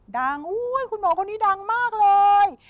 ดังอุ้ยคุณหมอคนนี้ดังมากเลย